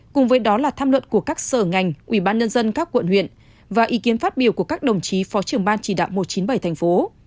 cùng với đó là tham luận của các sở ngành ủy ban nhân dân các quận huyện và ý kiến phát biểu của các đồng chí phó trưởng ban chỉ đạo một trăm chín mươi bảy thành phố